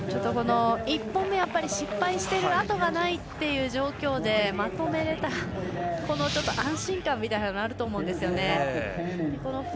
１本目、やっぱり失敗してあとがないという状況でまとめられたこの安心感みたいなのあると思うんですよね。